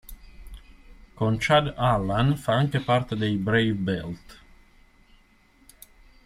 Con Chad Allan fa anche parte dei Brave Belt.